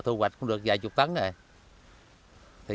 thu hoạch cũng được vài chục tấn rồi